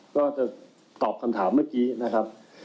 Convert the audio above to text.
ก็จะตอบคำถามเมื่อกี้นะครับ